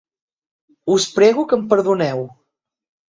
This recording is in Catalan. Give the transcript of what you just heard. Us prego que em perdoneu.